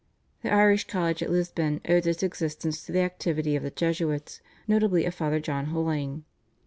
The Irish college at Lisbon owed its existence to the activity of the Jesuits, notably of Father John Holing.